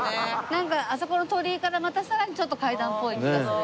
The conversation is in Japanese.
なんかあそこの鳥居からまたさらに階段っぽい気がする。